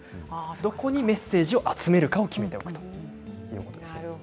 どこにメッセージを集めるかを決めておくということです。